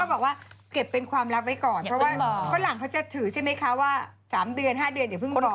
บอกว่าเก็บเป็นความลับไว้ก่อนเพราะว่าฝรั่งเขาจะถือใช่ไหมคะว่า๓เดือน๕เดือนอย่าเพิ่งบอก